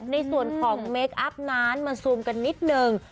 ในส่วนของเมคอัพนั้นมาซูมกันนิดนึง